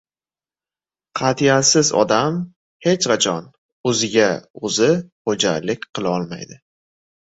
Qat’iyatsiz odam hech qachon o‘ziga-o‘zi xo‘jayinlik qilolmaydi.